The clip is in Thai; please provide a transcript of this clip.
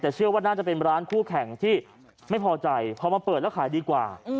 แต่เชื่อว่าน่าจะเป็นร้านคู่แข่งที่ไม่พอใจพอมาเปิดแล้วขายดีกว่า